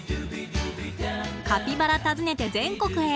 カピバラ訪ねて全国へ。